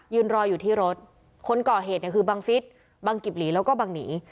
รออยู่ที่รถคนก่อเหตุเนี่ยคือบังฟิศบังกิบหลีแล้วก็บังหนี